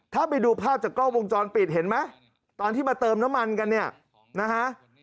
ถ้าไปดูภาพจากกล้องวงจรปิดเห็นไหมตอนที่มาเติมน้ำมันกันเนี่ยนะฮะ